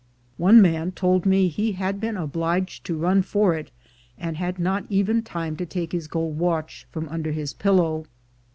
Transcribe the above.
One man told me he had been obliged to run for it, and had not even time to take his gold watch from under his pillow.